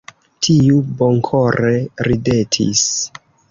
Tiu bonkore ridetis.